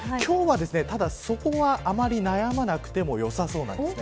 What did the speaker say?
今日はただそこは、あまり悩まなくてもよさそうなんです。